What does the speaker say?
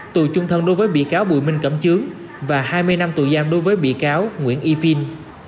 tù chung thân đối với bị cáo bùi minh cẩm chướng và hai mươi năm tù gian đối với bị cáo nguyễn y phin